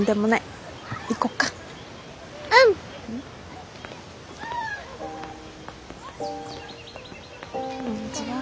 こんにちは。